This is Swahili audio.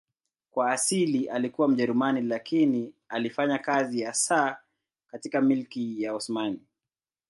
Kwa asili alikuwa Mjerumani lakini alifanya kazi hasa katika Milki ya Osmani.